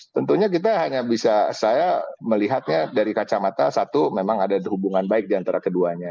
tentunya kita hanya bisa saya melihatnya dari kacamata satu memang ada hubungan baik diantara keduanya